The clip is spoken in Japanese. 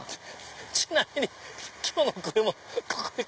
ちなみに今日のこれもここで。